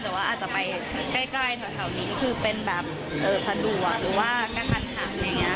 แต่ว่าอาจจะไปใกล้แถวนี้คือเป็นแบบสะดวกหรือว่ากระทันหันอย่างนี้